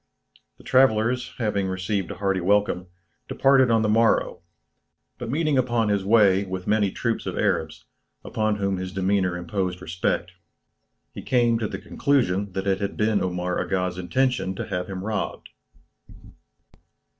The travellers having received a hearty welcome, departed on the morrow, but meeting upon his way with many troops of Arabs, upon whom his demeanour imposed respect, he came to the conclusion that it had been Omar Aga's intention to have him robbed.